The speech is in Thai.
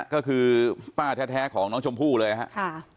ก็คือป้าแท้ของน้องชมพู่เลยครับ